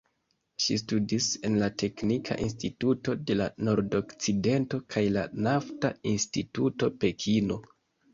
Ŝi studis en la "Teknika Instituto de la Nordokcidento" kaj la "Nafta Instituto Pekino".